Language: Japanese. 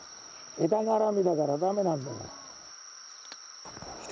枝絡みだからだめなんだよ。